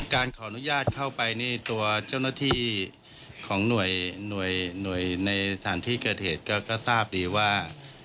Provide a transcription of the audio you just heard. การขออนุญาตเข้าไปนี่ตัวเจ้าหน้าที่ของหน่วยในสถานที่เกิดเหตุก็ทราบดีว่า